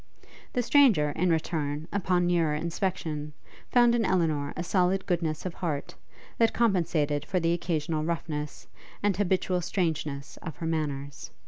The stranger, in return, upon nearer inspection, found in Elinor a solid goodness of heart, that compensated for the occasional roughness, and habitual strangeness of her manners.